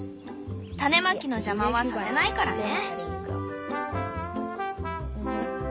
種まきの邪魔はさせないからね。